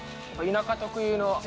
田舎特有の。